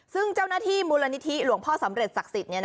ซึ่งเจ้าหน้าที่มูลนิธิหลวงพ่อสำเร็จศักดิ์สิทธิ์